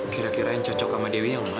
kira kira yang cocok sama dewi yang mana